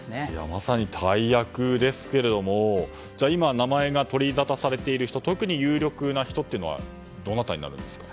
まさに大役ですけれども今、名前が取りざたされている人特に有力な人というのはどなたになるんでしょうか。